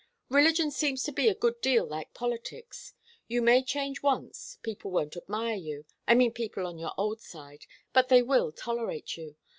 Religion seems to be a good deal like politics. You may change once people won't admire you I mean people on your old side but they will tolerate you.